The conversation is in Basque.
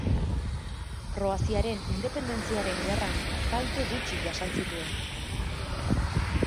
Kroaziaren independentziaren gerran kalte gutxi jasan zituen.